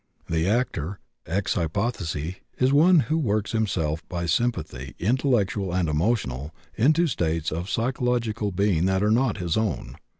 The actor, ex hypothesi, is one who works himself by sympathy (intellectual and emotional) into states of psychological being that are not his own.